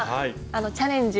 あのチャレンジ。